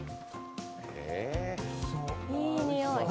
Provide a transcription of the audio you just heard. いいにおい。